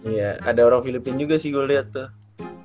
iya ada orang filipina juga sih gue lihat tuh